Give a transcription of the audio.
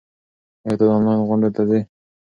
ایا ته آنلاین غونډو ته ځې؟